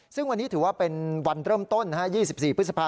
ซึ่งวันนี้ถือว่าเป็นวันเริ่มต้น๒๔พฤษภา